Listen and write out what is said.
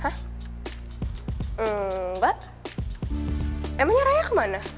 hmm mbak emangnya raya kemana